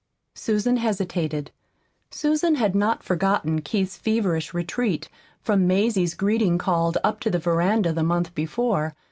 Susan hesitated. Susan had not forgotten Keith's feverish retreat from Mazie's greeting called up to the veranda the month before.